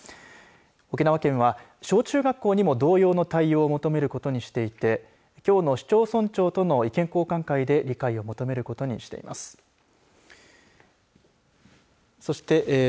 沖縄県は小中学校にも同様の対応を求めることにしていてきょうの市町村長との意見交換会で理解を求めることにしています。